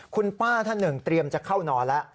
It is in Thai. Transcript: คุณป้าท่านหนึ่งเตรียมจะเข้านอนแล้ว